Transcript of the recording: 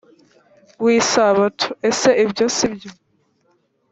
w isabato ese ibyo si byo